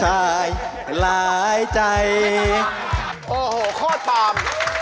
โอ้โหโคตรปาม